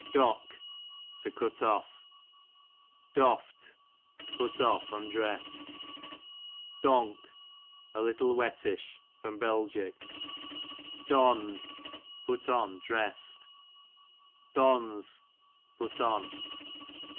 Dock, to crU off. Dofft, put of, undressed. Donk, a little wettish. Bel. Donn'd, put on, dress' d. Dons, put on.